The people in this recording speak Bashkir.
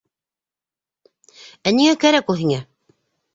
Ә ниңә кәрәк ул һиңә?